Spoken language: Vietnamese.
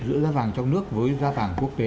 giữa giá vàng trong nước với giá vàng quốc tế